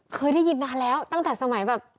เคยได้ยินนานแล้วตั้งแต่สมัยแบบ